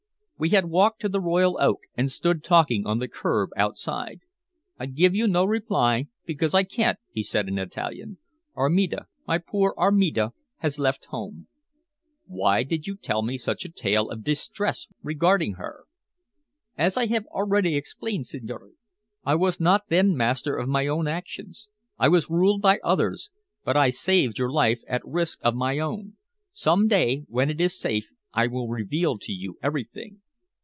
We had walked to the Royal Oak, and stood talking on the curb outside. "I give you no reply, because I can't," he said in Italian. "Armida my poor Armida has left home." "Why did you tell me such a tale of distress regarding her?" "As I have already explained, signore, I was not then master of my own actions. I was ruled by others. But I saved your life at risk of my own. Some day, when it is safe, I will reveal to you everything."